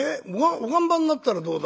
お燗番になったらどうだ？